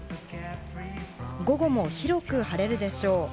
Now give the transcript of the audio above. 午後も広く晴れるでしょう。